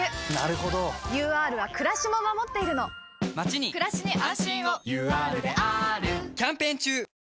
ＵＲはくらしも守っているのまちにくらしに安心をＵＲであーるキャンペーン中！